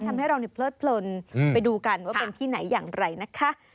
ทำให้เราเลิดเพลินไปดูกันว่าเป็นที่ไหนอย่างไรนะคะ